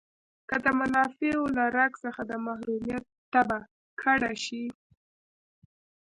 که د منافعو له رګ څخه د محرومیت تبه کډه شي.